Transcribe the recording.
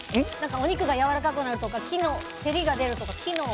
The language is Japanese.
お肉がやわらかくなるとか照りが出るとか。